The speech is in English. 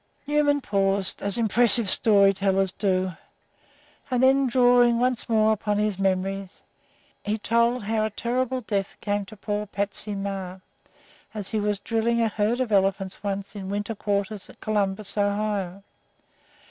Newman paused, as impressive story tellers do, and then, drawing once more upon his memories, he told how a terrible death came to poor "Patsy" Meagher as he was drilling a herd of elephants once in winter quarters at Columbus, Ohio.